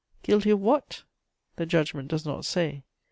Guilty of what? The judgment does not say.